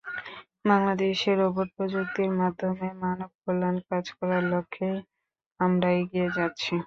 বাংলাদেশে রোবট প্রযুক্তির মাধ্যমে মানবকল্যাণে কাজ করার লক্ষ্যেই আমরা এগিয়ে যাচ্ছি।